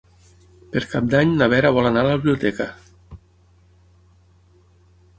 Per Cap d'Any na Vera vol anar a la biblioteca.